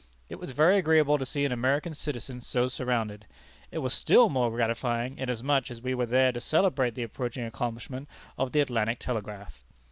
It was very agreeable to see an American citizen so surrounded. It was still more gratifying, inasmuch as we were there to celebrate the approaching accomplishment of the Atlantic Telegraph."